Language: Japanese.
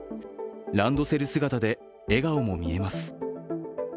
ランドセル姿で笑顔も見えます。